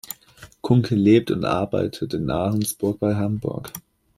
Kunkel lebt und arbeitet in Ahrensburg bei Hamburg.